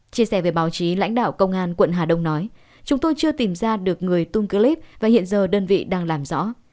chia sẻ về báo chí lãnh đạo công an quận hà đông nói chúng tôi chưa tìm ra được người tung clip và hiện giờ đơn vị đang làm rõ